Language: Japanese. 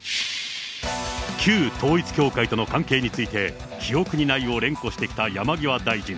旧統一教会との関係について、記憶にないを連呼してきた山際大臣。